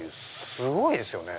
すごいですよね。